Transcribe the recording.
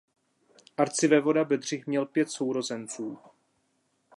Arcivévoda Bedřich měl pět sourozenců.